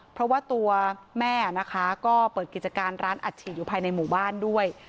เพราะว่าตัวแม่นะคะก็เปิดกิจการร้านอัดฉีดอยู่ภายในหมู่บ้านด้วย